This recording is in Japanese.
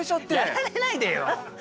やられないでよ！